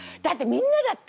みんなだって。